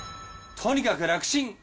とにかく楽ちん！